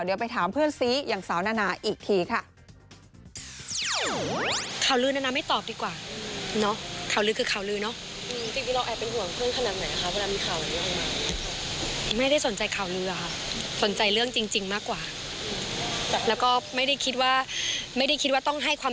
เดี๋ยวไปถามเพื่อนซีอย่างสาวนานาอีกทีค่ะ